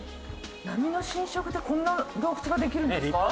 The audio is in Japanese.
波の浸食でこんな洞窟ができるんですか？